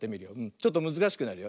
ちょっとむずかしくなるよ。